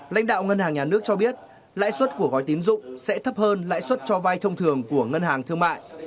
lãnh đạo ngân hàng nhà nước cho biết lãi suất của gói tín dụng sẽ thấp hơn lãi suất cho vay thông thường của ngân hàng thương mại